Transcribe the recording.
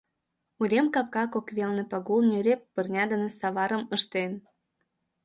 Урем капка кок велне Пагул нӧреп пырня дене саварым ыштен.